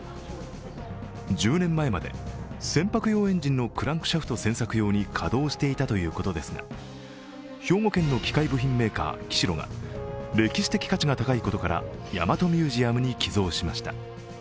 １０年前まで船舶用エンジンのクランクシャフト旋削用に稼働していたということですが、兵庫県の機械部品メーカー・きしろが歴史的価値が高いことから大和ミュージアムに寄贈しました。